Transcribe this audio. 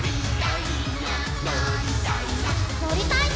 「のりたいぞ！」